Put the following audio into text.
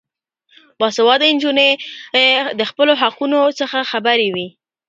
باسواده نجونې د خپلو حقونو څخه خبرې وي.